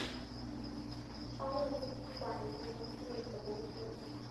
商务印书馆有限公司的子公司。